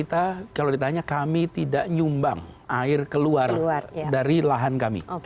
jadi kalau ditanya kami tidak nyumbang air keluar dari lahan kami